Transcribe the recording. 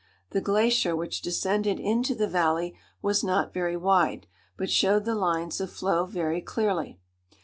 The glacier which descended into the valley was not very wide, but showed the lines of flow very clearly.